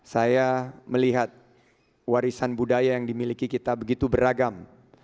saya melihat warisan budaya yang dimiliki kita begitu beragam